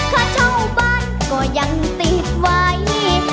ค่าเช่าบ้านก็ยังติดไว้